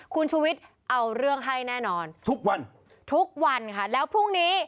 คุณชุวิตเอาเรื่องให้แน่นอนทุกวันทุกวันค่ะแล้วพรุ่งนี้